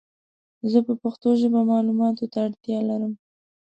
زه په پښتو ژبه مالوماتو ته اړتیا لرم